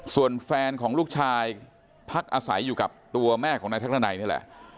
ส่วนแฟนของลูกชายพักอาศัยอยู่กับตัวแม่ของนายทักดันัยนี่แหละ